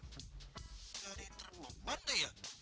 jadi terbomban deh ya